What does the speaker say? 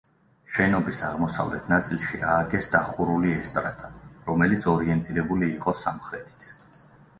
შენობის აღმოსავლეთ ნაწილში ააგეს დახურული ესტრადა, რომელიც ორიენტირებული იყო სამხრეთით.